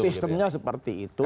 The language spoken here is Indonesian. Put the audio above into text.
sistemnya seperti itu